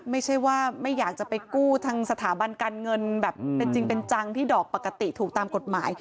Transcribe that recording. ไม่ใช่ว่าไม่อยากจะไปกู้ทางสถาบันการเงินแบบเป็นจริงเป็นจังที่ดอกปกติถูกตามกฎหมาย